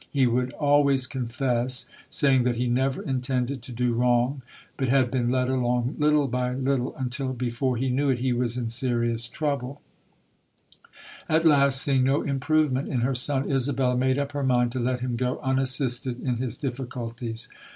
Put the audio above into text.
He would always confess, saying that he never intended to do wrong, but had been led along little by little until before he knew it, he was in serious SOJOUBNEK TRUTH [217 trouble. At last, seeing no improvement in her son, Isabella made up her mind to let him go un assisted in his difficulties.